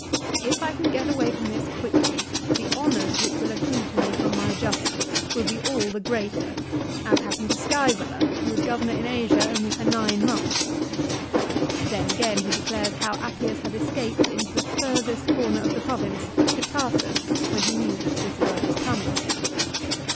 " If I can get away from this quickly the honours which will accrue to me from my justice will 1 Ad At. lib. v. 16. H 2 100 LIFE OF CICERO. lie all the greater, as happened to Scsevola, who was Governor in Asia only for nine months." 1 Then again he declares how Appius had escaped into the furthest corner of the province, to Tarsus, when he knew that Cicero was coming.